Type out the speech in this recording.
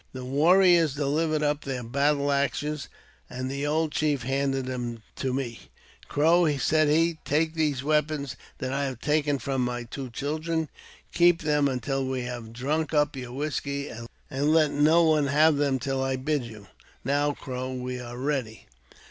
The warriors delivered up their battle axes, and the old chief handed them to me. " Crow," said he, *' take these weapons that I have taken from my two children. Keep them until we have drunk up your whisky, and let no one have them till I bid you. Now, Crow, we are ready."